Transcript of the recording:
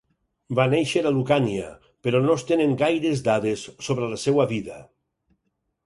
Va néixer a Lucània però no es tenen gaires dades sobre la seva vida.